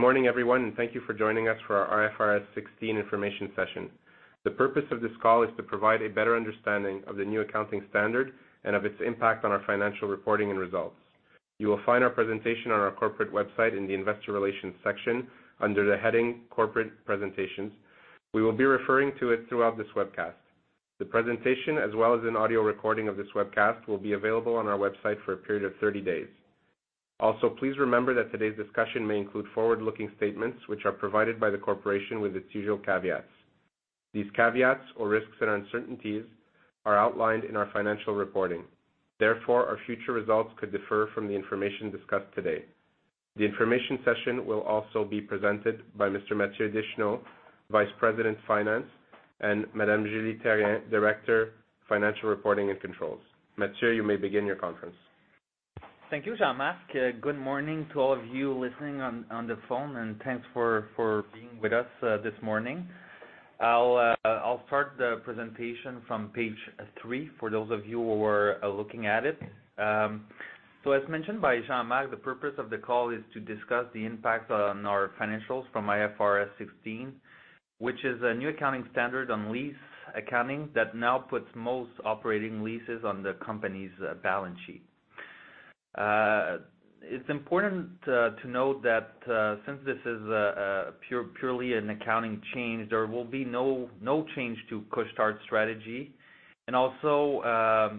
Good morning, everyone, thank you for joining us for our IFRS 16 information session. The purpose of this call is to provide a better understanding of the new accounting standard and of its impact on our financial reporting and results. You will find our presentation on our corporate website in the investor relations section under the heading Corporate Presentations. We will be referring to it throughout this webcast. The presentation, as well as an audio recording of this webcast, will be available on our website for a period of 30 days. Please remember that today's discussion may include forward-looking statements which are provided by the corporation with its usual caveats. These caveats or risks and uncertainties are outlined in our financial reporting. Our future results could differ from the information discussed today. The information session will also be presented by Mr. Mathieu Brunet, Vice President, Finance, and Madame Julie Therrien, Director, Financial Reporting and Controls. Mathieu, you may begin your conference. Thank you, Jean Marc. Good morning to all of you listening on the phone, and thanks for being with us this morning. I'll start the presentation from page three for those of you who are looking at it. As mentioned by Jean Marc, the purpose of the call is to discuss the impact on our financials from IFRS 16, which is a new accounting standard on lease accounting that now puts most operating leases on the company's balance sheet. It's important to note that since this is purely an accounting change, there will be no change to Couche-Tard's strategy. Also,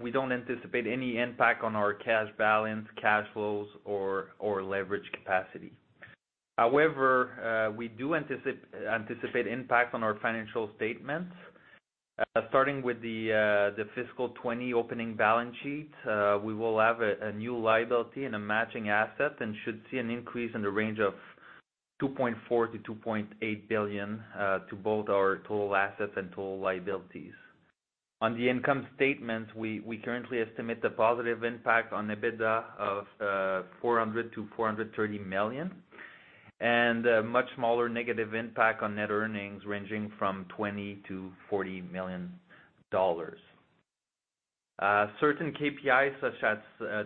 we don't anticipate any impact on our cash balance, cash flows, or leverage capacity. However, we do anticipate impact on our financial statements. Starting with the fiscal 2020 opening balance sheet, we will have a new liability and a matching asset and should see an increase in the range of 2.4 billion-2.8 billion to both our total assets and total liabilities. On the income statement, we currently estimate the positive impact on EBITDA of 400 million-430 million, and a much smaller negative impact on net earnings ranging from 20 million-40 million dollars. Certain KPIs, such as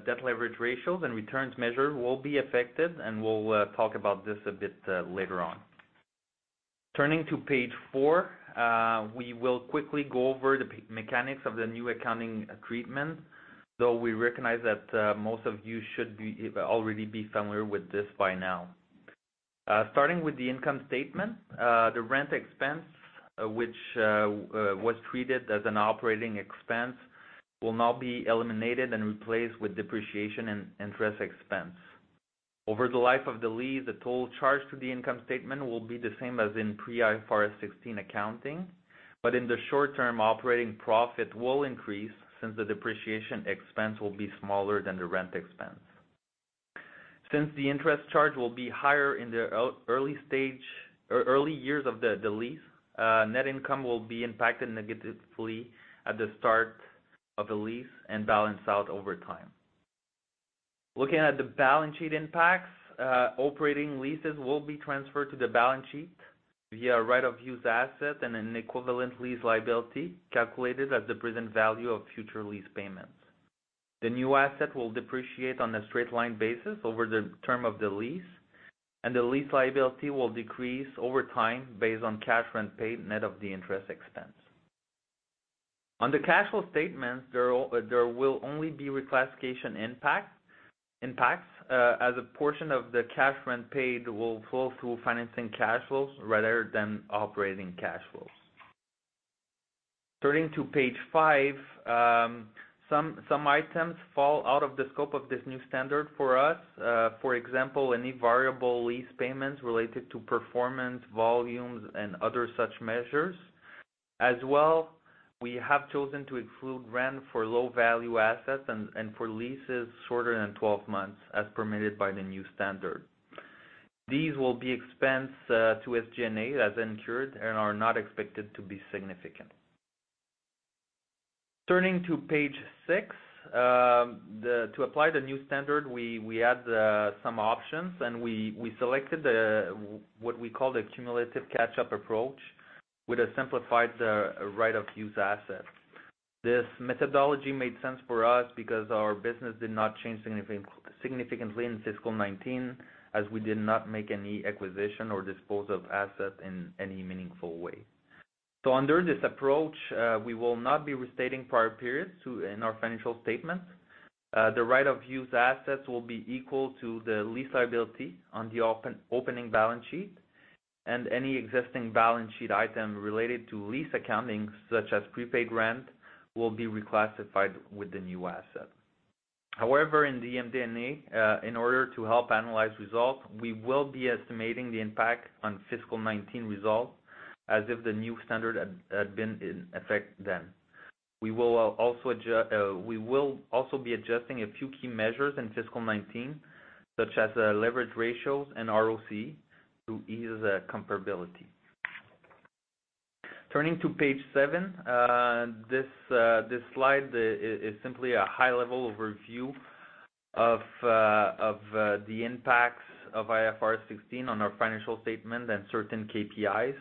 debt leverage ratios and returns measure will be affected, and we will talk about this a bit later on. Turning to page four, we will quickly go over the mechanics of the new accounting treatment, though we recognize that most of you should already be familiar with this by now. Starting with the income statement, the rent expense, which was treated as an operating expense, will now be eliminated and replaced with depreciation and interest expense. Over the life of the lease, the total charge to the income statement will be the same as in pre-IFRS 16 accounting. In the short term, operating profit will increase since the depreciation expense will be smaller than the rent expense. Since the interest charge will be higher in the early years of the lease, net income will be impacted negatively at the start of the lease and balance out over time. Looking at the balance sheet impacts, operating leases will be transferred to the balance sheet via a right-of-use asset and an equivalent lease liability calculated as the present value of future lease payments. The new asset will depreciate on a straight line basis over the term of the lease, and the lease liability will decrease over time based on cash rent paid net of the interest expense. On the cash flow statement, there will only be reclassification impacts, as a portion of the cash rent paid will flow through financing cash flows rather than operating cash flows. Turning to page five, some items fall out of the scope of this new standard for us. For example, any variable lease payments related to performance, volumes, and other such measures. As well, we have chosen to exclude rent for low-value assets and for leases shorter than 12 months, as permitted by the new standard. These will be expensed to SG&A as incurred and are not expected to be significant. Turning to page six, to apply the new standard, we had some options. We selected what we call the cumulative catch-up approach with a simplified right-of-use asset. This methodology made sense for us because our business did not change significantly in fiscal 2019, as we did not make any acquisition or dispose of assets in any meaningful way. Under this approach, we will not be restating prior periods in our financial statements. The right-of-use assets will be equal to the lease liability on the opening balance sheet, and any existing balance sheet item related to lease accounting, such as prepaid rent, will be reclassified with the new asset. In the MD&A, in order to help analyze results, we will be estimating the impact on fiscal 2019 results as if the new standard had been in effect then. We will also be adjusting a few key measures in fiscal 2019, such as leverage ratios and ROC, to ease comparability. Turning to page seven, this slide is simply a high-level overview of the impacts of IFRS 16 on our financial statement and certain KPIs.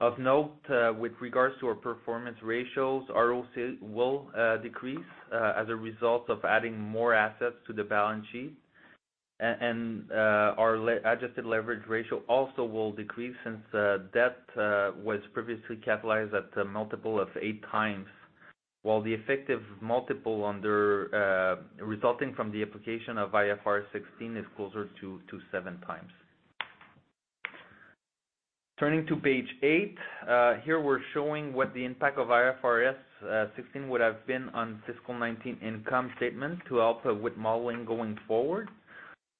Of note, with regards to our performance ratios, ROC will decrease as a result of adding more assets to the balance sheet. Our adjusted leverage ratio also will decrease since debt was previously capitalized at a multiple of 8x, while the effective multiple resulting from the application of IFRS 16 is closer to 7x. Turning to page eight. Here we're showing what the impact of IFRS 16 would've been on fiscal 2019 income statement to help with modeling going forward.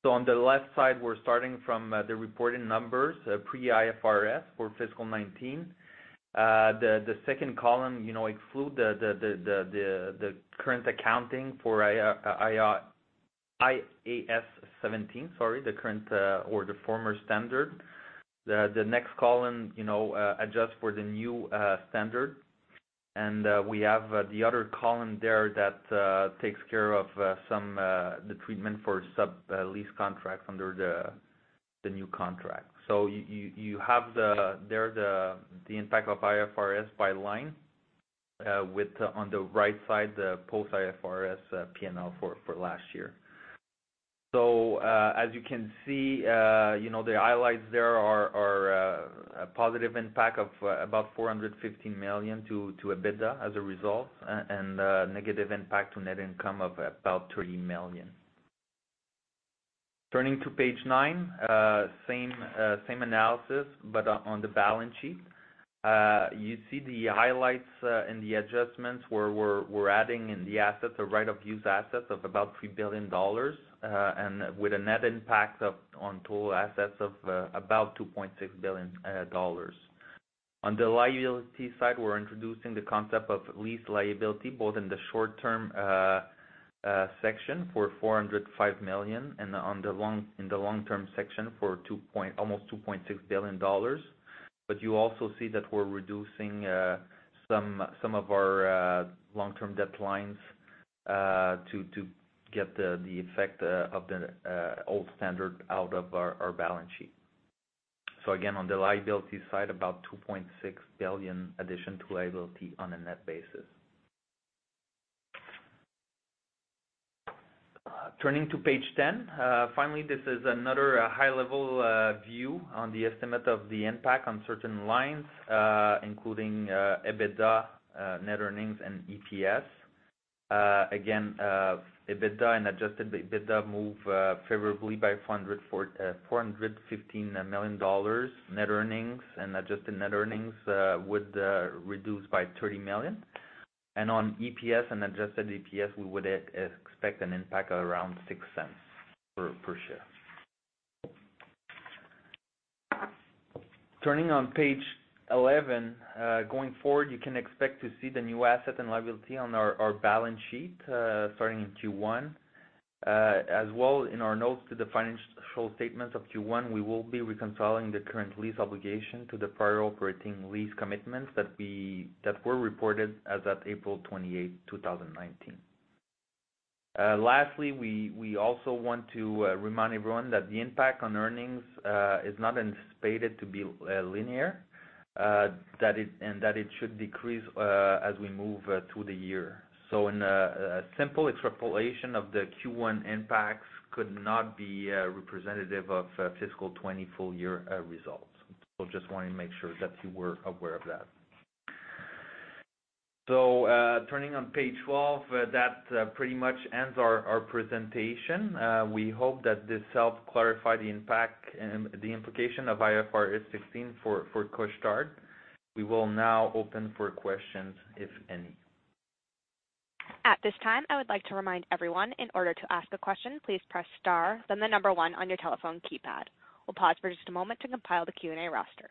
On the left side, we're starting from the reported numbers, pre-IFRS for fiscal 2019. The second column exclude the current accounting for IAS 17, sorry, the current or the former standard. The next column adjusts for the new standard. We have the other column there that takes care of the treatment for sub-lease contracts under the new contract. You have there the impact of IFRS by line, with on the right side, the post IFRS P&L for last year. As you can see, the highlights there are a positive impact of about 450 million to EBITDA as a result, and a negative impact to net income of about 3 million. Turning to page nine. Same analysis, on the balance sheet. You see the highlights and the adjustments where we're adding in the assets, the right-of-use assets of about 3 billion dollars, with a net impact on total assets of about 2.6 billion dollars. On the liability side, we're introducing the concept of lease liability, both in the short-term section for 405 million and in the long-term section for almost 2.6 billion dollars. You also see that we're reducing some of our long-term debt lines to get the effect of the old standard out of our balance sheet. Again, on the liability side, about 2.6 billion addition to liability on a net basis. Turning to page 10. Finally, this is another high-level view on the estimate of the impact on certain lines, including EBITDA, net earnings, and EPS. Again, EBITDA and adjusted EBITDA move favorably by 415 million dollars. Net earnings and adjusted net earnings would reduce by 30 million. On EPS and adjusted EPS, we would expect an impact of around 0.06 per share. Turning on page 11. Going forward, you can expect to see the new asset and liability on our balance sheet starting in Q1. In our notes to the financial statements of Q1, we will be reconciling the current lease obligation to the prior operating lease commitments that were reported as at April 28th, 2019. We also want to remind everyone that the impact on earnings is not anticipated to be linear and that it should decrease as we move through the year. A simple extrapolation of the Q1 impacts could not be representative of fiscal 2020 full-year results. Just wanted to make sure that you were aware of that. Turning on page 12, that pretty much ends our presentation. We hope that this helps clarify the impact and the implication of IFRS 16 for Couche-Tard. We will now open for questions, if any. At this time, I would like to remind everyone, in order to ask a question, please press star then the number one on your telephone keypad. We'll pause for just a moment to compile the Q&A roster.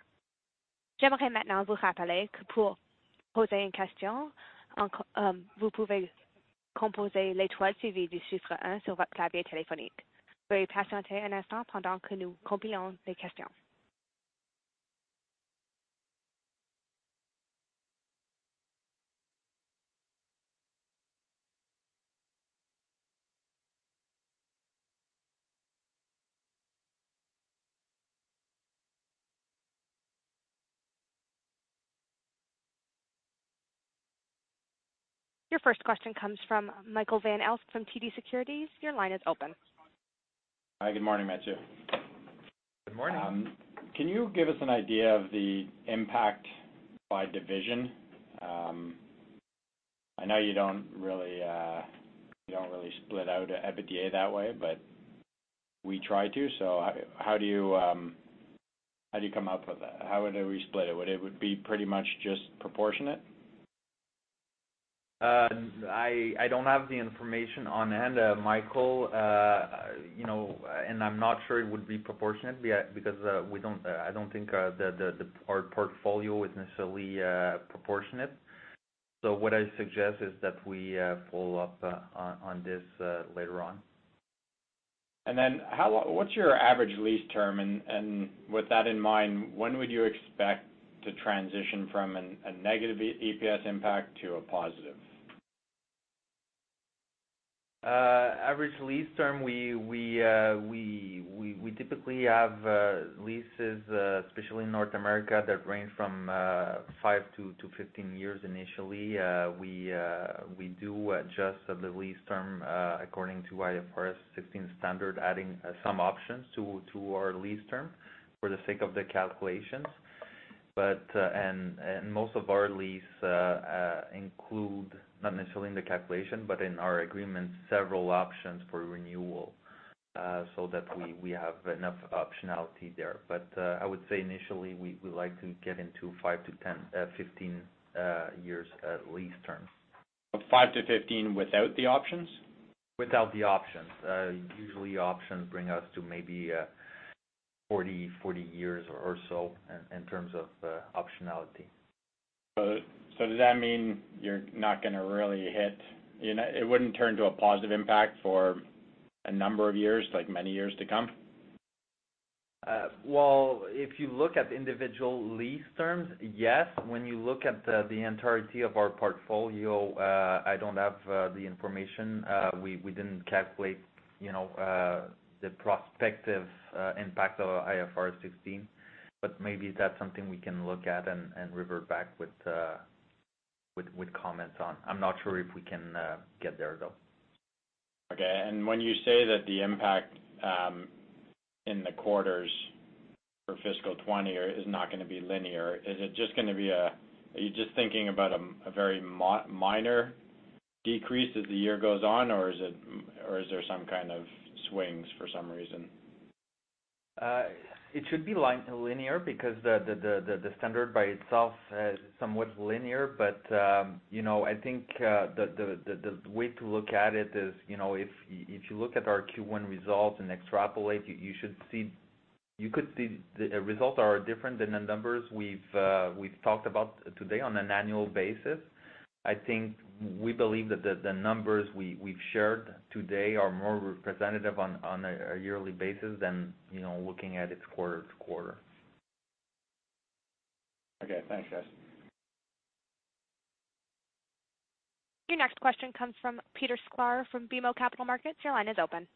Your first question comes from Michael Van Aelst from TD Cowen. Your line is open. Hi, good morning, Mathieu. Good morning. Can you give us an idea of the impact by division? I know you don't really split out EBITDA that way, but we try to, so how do you come up with that? How would we split it? Would it be pretty much just proportionate? I don't have the information on hand, Michael, and I'm not sure it would be proportionate because I don't think our portfolio is necessarily proportionate. What I suggest is that we follow up on this later on. What's your average lease term? With that in mind, when would you expect to transition from a negative EPS impact to a positive? Average lease term, we typically have leases, especially in North America, that range from 5 years-15 years initially. We do adjust the lease term according to IFRS 16 standard, adding some options to our lease term for the sake of the calculations. Most of our lease include, not necessarily in the calculation, but in our agreement, several options for renewal so that we have enough optionality there. I would say initially, we like to get into 5 years-15 years lease term. Five to 15 without the options? Without the options. Usually, options bring us to maybe 40 years or so in terms of optionality. Does that mean you're not going to really hit-- It wouldn't turn to a positive impact for a number of years, like many years to come? Well, if you look at individual lease terms, yes. When you look at the entirety of our portfolio, I don't have the information. We didn't calculate the prospective impact of IFRS 16. Maybe that's something we can look at and revert back with comments on. I'm not sure if we can get there, though. Okay. When you say that the impact in the quarters for fiscal 2020 is not going to be linear, are you just thinking about a very minor decrease as the year goes on, or is there some kind of swings for some reason? It should be linear because the standard by itself is somewhat linear. I think the way to look at it is, if you look at our Q1 results and extrapolate, you could see the results are different than the numbers we've talked about today on an annual basis. I think we believe that the numbers we've shared today are more representative on a yearly basis than looking at it quarter to quarter. Okay. Thanks, guys. Your next question comes from Peter Sklar from BMO Capital Markets. Your line is open.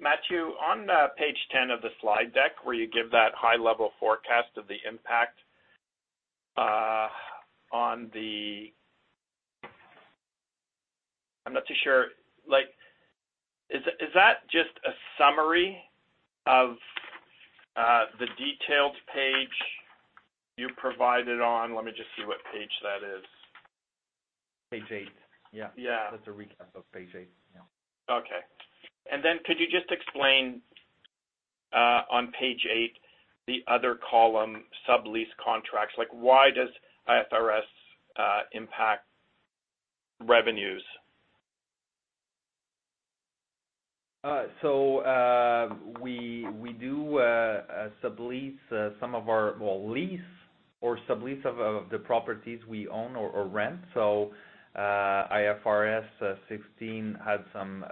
Mathieu, on page 10 of the slide deck where you give that high-level forecast of the impact on I'm not too sure. Is that just a summary of the detailed page you provided on, let me just see what page that is. Page eight. Yeah. That's a recap of page eight. Yeah. Okay. Could you just explain on page eight, the other column, sublease contracts, why does IFRS impact revenues? We do lease or sublease of the properties we own or rent. IFRS 16 had some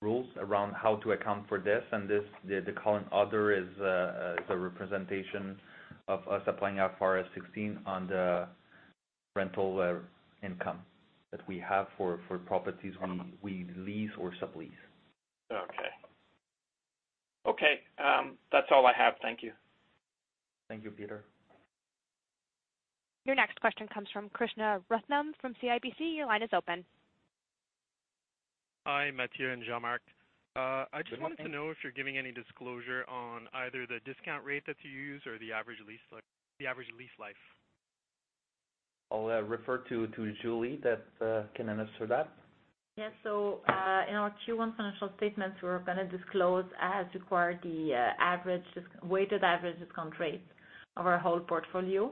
rules around how to account for this, and the column, other, is a representation of us applying IFRS 16 on the rental income that we have for properties when we lease or sublease. Okay. That's all I have. Thank you. Thank you, Peter. Your next question comes from Vishal Shreedhar from CIBC. Your line is open. Hi, Mathieu and Jean-Marc. I just wanted to know if you're giving any disclosure on either the discount rate that you use or the average lease life. I'll refer to Julie, that can answer that. Yes. In our Q1 financial statements, we're going to disclose, as required, the weighted average discount rates of our whole portfolio.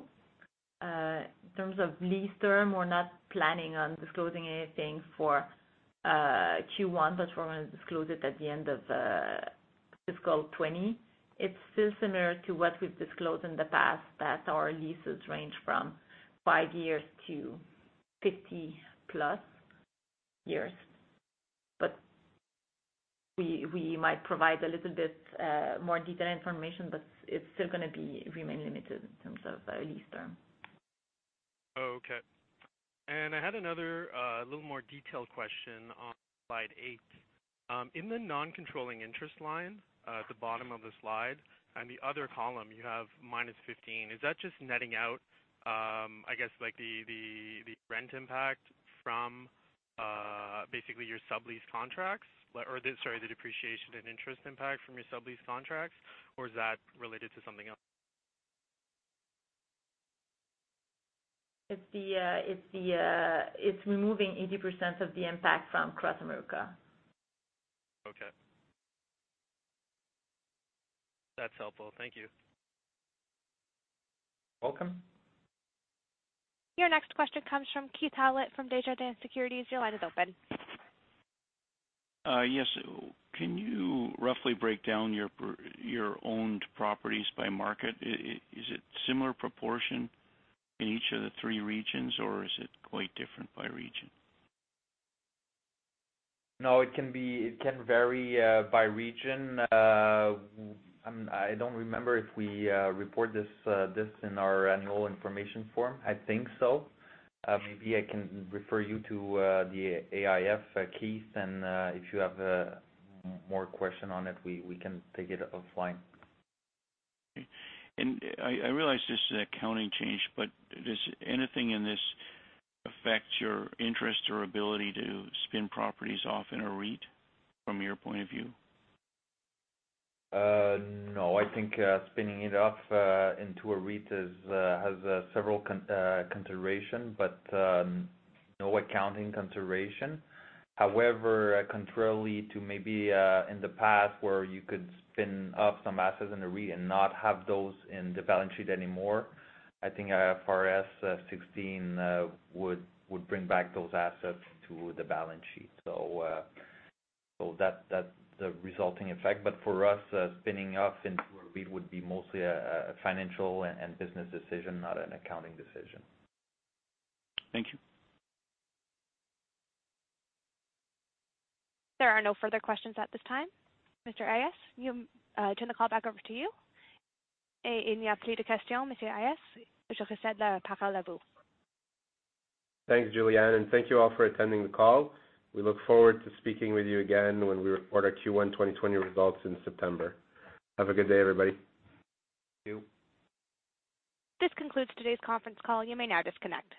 In terms of lease term, we're not planning on disclosing anything for Q1, we're going to disclose it at the end of fiscal 2020. It's still similar to what we've disclosed in the past that our leases range from five years to 50 plus years. We might provide a little bit more detailed information, but it's still going to remain limited in terms of lease term. Okay. I had another little more detailed question on slide eight. In the non-controlling interest line at the bottom of the slide, on the other column, you have minus 15. Is that just netting out, I guess, the rent impact from basically your sublease contracts? Or, sorry, the depreciation and interest impact from your sublease contracts, or is that related to something else? It's removing 80% of the impact from CrossAmerica Partners. Okay. That's helpful. Thank you. Welcome. Your next question comes from Keith Howlett from Desjardins Securities. Your line is open. Yes. Can you roughly break down your owned properties by market? Is it similar proportion in each of the three regions, or is it quite different by region? No, it can vary by region. I don't remember if we report this in our annual information form. I think so. Maybe I can refer you to the AIF, Keith, and if you have more question on it, we can take it offline. Okay. I realize this is an accounting change, but does anything in this affect your interest or ability to spin properties off in a REIT from your point of view? No, I think spinning it off into a REIT has several consideration, but no accounting consideration. Contrarily to maybe in the past where you could spin off some assets in a REIT and not have those in the balance sheet anymore, I think IFRS 16 would bring back those assets to the balance sheet. That's the resulting effect. For us, spinning off into a REIT would be mostly a financial and business decision, not an accounting decision. Thank you. There are no further questions at this time. Mr. Ayas, turn the call back over to you. Thanks, Julianne. Thank you all for attending the call. We look forward to speaking with you again when we report our Q1 2020 results in September. Have a good day, everybody. Thank you. This concludes today's conference call. You may now disconnect.